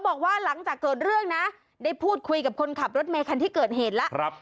บอกว่าหลังจากเกิดเรื่องนะได้พูดคุยกับคนขับรถเมคันที่เกิดเหตุแล้ว